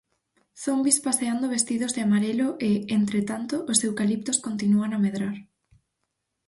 Zombis paseando vestidos de amarelo e ,entre tanto, os eucaliptos continúan a medrar